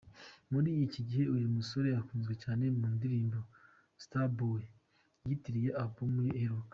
Muri iki gihe uyu musore akunzwe cyane mu ndirimbo ’Starboy’ yitiriye album ye iheruka.